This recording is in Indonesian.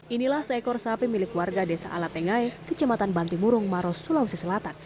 inilah seekor sapi milik warga desa alatengai kecematan bantimurung maros sulawesi selatan